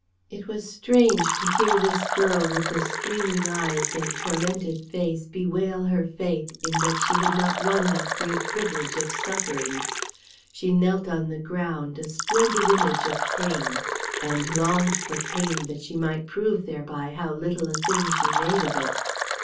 It was strange to hear this girl with the streaming eyes and tormented face bewail her fate in that she had not won that great privilege of suffering. She knelt on the ground a splendid image of pain, and longed for pain that she might prove thereby how little a thing she made of it.